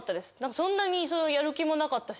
そんなにやる気もなかったし。